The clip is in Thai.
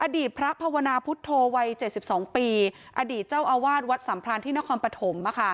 อดีตพระภาวนาพุทธโธวัย๗๒ปีอดีตเจ้าอาวาสวัดสัมพรานที่นครปฐม